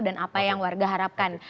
dan apa yang warga harapkan